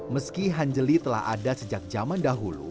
meski hanjeli telah ada sejak zaman dahulu